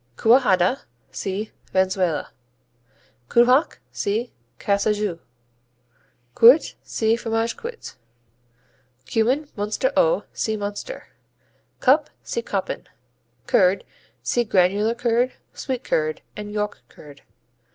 Cuajada see Venezuela. Cubjac see Cajassou. Cuit see Fromage Cuit. Cumin, Münster au see Münster. Cup see Koppen. Curd see Granular curd, Sweet curd and York curd.